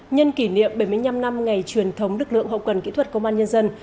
nhân kỷ niệm bảy mươi năm năm ngày truyền thống lực lượng hậu cần kỹ thuật công an nhân dân